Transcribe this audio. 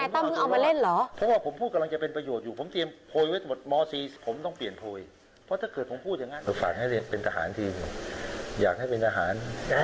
ท่านไนต้ำมึงเอามาเล่นเหรอ